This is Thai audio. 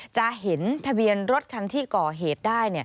จะเห็นทะเบียนรถคันที่ก่อเหตุได้